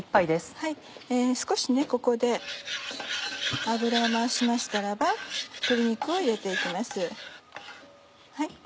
少しここで油を回しましたらば鶏肉を入れて行きます。